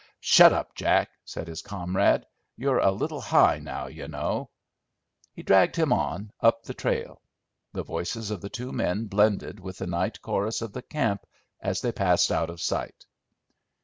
"Shut up, Jack!" said his comrade. "You're a little high now, you know." He dragged him on, up the trail; the voices of the two men blended with the night chorus of the camp as they passed out of sight.